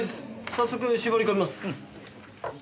早速絞り込みます。